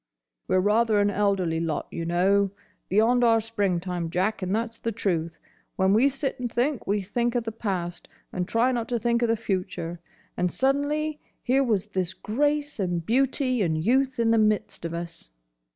"We're rather an elderly lot, y'know. Beyond our springtime, Jack, and that's the truth. When we sit and think, we think of the past, and try not to think of the future. And, suddenly, here was this Grace and Beauty and Youth in the midst of us.